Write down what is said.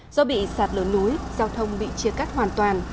do bị sạt lở núi giao thông bị chia cắt hoàn toàn